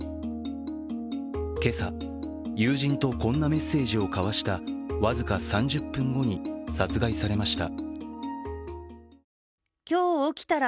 今朝、友人とこんなメッセージをかわした僅か３０分後に殺害されました。